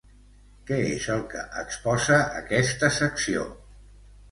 Què és el que exposa aquesta secció?